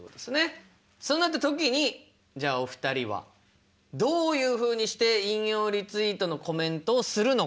そうなった時にじゃあお二人はどういうふうにして引用リツイートのコメントをするのか。